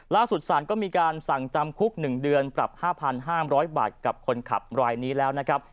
สารก็มีการสั่งจำคุก๑เดือนปรับ๕๕๐๐บาทกับคนขับรายนี้แล้วนะครับ